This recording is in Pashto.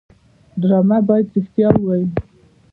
ډرامه باید رښتیا ووايي